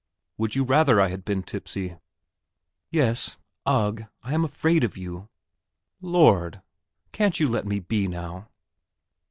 "Would you rather I had been tipsy?" "Yes ... ugh ... I am afraid of you! Lord, can't you let me be now!"